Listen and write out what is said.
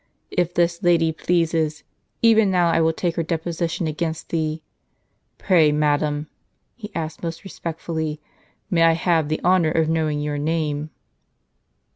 If this lady pleases, even now I will take her deposition against thee. Pray, madam," he asked most respectfully, " may I have the honor of knowing your name